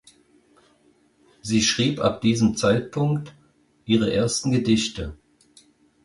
Sie schrieb ab diesen Zeitpunkt ihre ersten Gedichte.